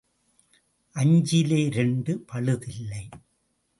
அஞ்சிலே இரண்டு பழுதில்லை.